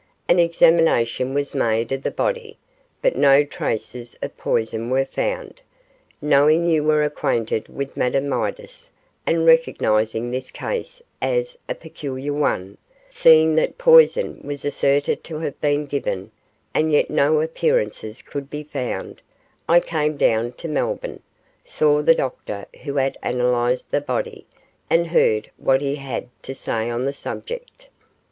An examination was made of the body, but no traces of poison were found. Knowing you were acquainted with Madame Midas, and recognising this case as a peculiar one seeing that poison was asserted to have been given, and yet no appearances could be found I came down to Melbourne, saw the doctor who had analysed the body, and heard what he had to say on the subject.